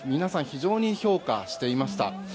非常に評価していました。